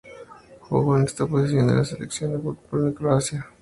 Jugó en esta posición en la Selección de fútbol de Croacia.